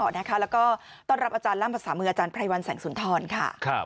แล้วก็ต้อนรับอาจารย์ล่ำภาษามืออาจารย์ไพรวัลแสงสุนทรค่ะ